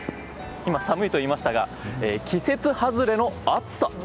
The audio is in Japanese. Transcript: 今、寒いと言いましたが季節外れの暑さ。